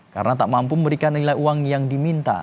karena tak mampu memberikan nilai uang yang diminta